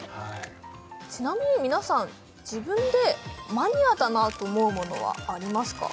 ちなみに皆さん自分でマニアだなと思うものはありますか？